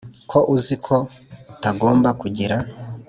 ko uzi ko utagomba kugira